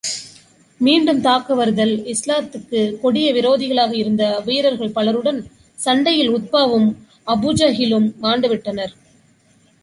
மீண்டும் தாக்க வருதல் இஸ்லாத்துக்குக் கொடிய விரோதிகளாக இருந்த வீரர்கள் பலருடன், சண்டையில் உத்பாவும், அபூஜஹிலும் மாண்டுவிட்டனர்.